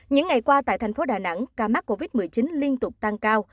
những ngày qua tại tp đà nẵng ca mắc covid một mươi chín liên tục tăng cao